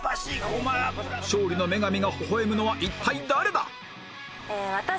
勝利の女神がほほ笑むのは一体誰だ！？